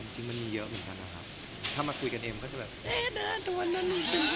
จริงมันมีเยอะเหมือนกันนะครับถ้ามาคุยกันเองก็จะแบบเอ๊ะหน้าตัวนั้น